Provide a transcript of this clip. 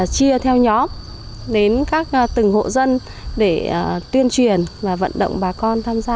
chia theo nhóm đến các từng hộ dân để tuyên truyền và vận động bà con tham gia